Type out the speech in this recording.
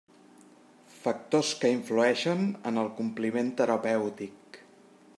Factors que influïxen en el compliment terapèutic.